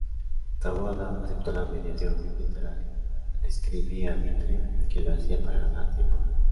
Taboada aceptó la mediación, mientras escribía a Mitre que lo hacía para ganar tiempo.